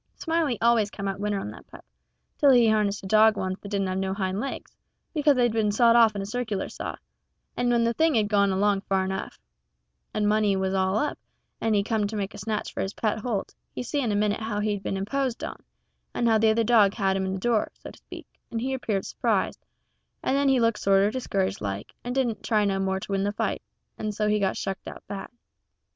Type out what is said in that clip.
Smiley always come out winner on that pup, till he harnessed a dog once that didn't have no hind legs, because they'd been sawed off in a circular saw, and when the thing had gone along far enough, and the money was all up, and he come to make a snatch for his pet holt, he see in a minute how he'd been imposed on, and how the other dog had him in the door, so to speak, and he 'peared surprised, and then he looked sorter discouraged like, and didn't try no more to win the fight, and so he got shucked out bad.